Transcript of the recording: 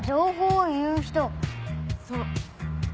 そう。